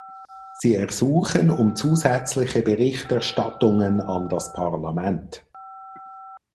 Sie ersuchen um zusätzliche Berichterstattungen an das Parlament.